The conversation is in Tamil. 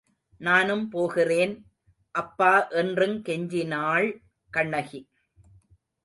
நானும் போகிறேன், அப்பா என்று கெஞ்சினாள் கண்ணகி.